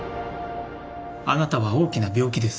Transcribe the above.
あなたは大きな病気です。